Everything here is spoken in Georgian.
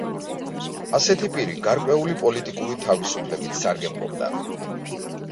ასეთი პირი გარკვეული პოლიტიკური თავისუფლებით სარგებლობდა.